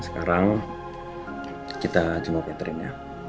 sekarang kita jemput catherine ya